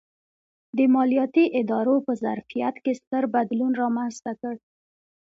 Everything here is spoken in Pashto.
د مالیاتي ادارو په ظرفیت کې ستر بدلون رامنځته کړ.